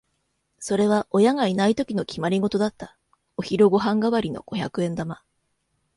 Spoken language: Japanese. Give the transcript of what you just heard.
それは親がいないときの決まりごとだった。お昼ご飯代わりの五百円玉。